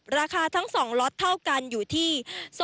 ราคาทั้ง๒ล็อตเท่ากันอยู่ที่